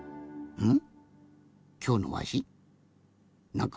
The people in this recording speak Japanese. うん。